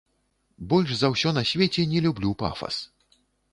Больш за ўсё на свеце не люблю пафас.